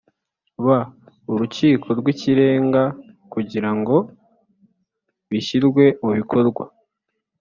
b Urukiko rw Ikirenga kugira ngo bishyirwe mubikorwa